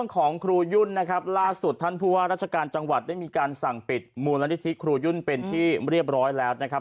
ของครูยุ่นนะครับล่าสุดท่านผู้ว่าราชการจังหวัดได้มีการสั่งปิดมูลนิธิครูยุ่นเป็นที่เรียบร้อยแล้วนะครับ